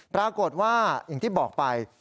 ปรากฏว่าอย่างที่บอกไป